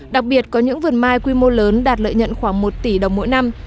đặc biệt có những vườn mai quy mô lớn đạt lợi nhận khoảng một tỷ đồng mỗi năm